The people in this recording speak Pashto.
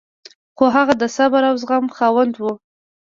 خو هغه د صبر او زغم خاوند و.